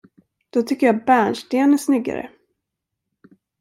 Då tycker jag bärnsten är snyggare.